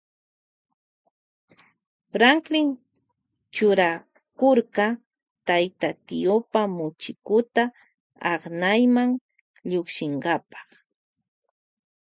Franklin churakurka tayta tiopa muchikuta aknayma llukshinkapa.